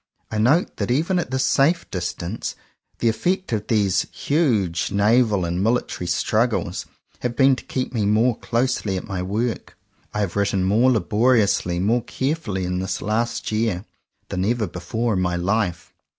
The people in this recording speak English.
I note that even at this safe distance the effect of these huge naval and military struggles has been to keep me more closely at my work. I have written more laboriously, more carefully, in this last year, than ever before in my life.